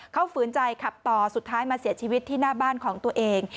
เขาฝืนใจขับต่อสุดท้ายมาเสียชีวิตที่หน้าบ้านของตัวเอง